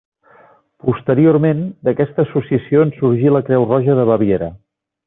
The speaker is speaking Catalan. Posteriorment, d'aquesta associació en sorgí la Creu roja de Baviera.